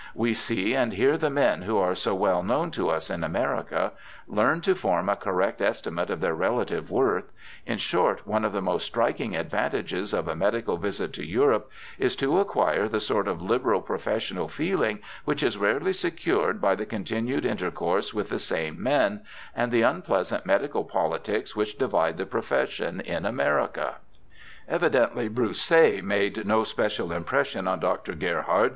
We see and hear the men who are so well known to us in America, learn to form a correct estimate of their relative worth— in short, one of the most striking advantages of a medical visit to Europe is to acquire the sort of liberal professional feehng which is rarely secured by the continued intercourse with the same men, and the unpleasant medical politics which divide the profession in America.' Evidently Broussais made no special impression on Dr. Gerhard.